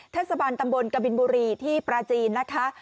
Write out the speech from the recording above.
เทศบาลตำบลกบินบุรีที่ปราจีนนะคะ